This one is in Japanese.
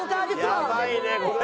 やばいねこれは。